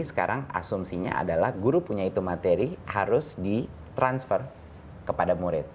sekarang asumsinya adalah guru punya itu materi harus di transfer kepada murid